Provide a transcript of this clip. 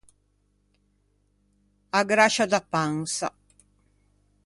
A grascia da pansa.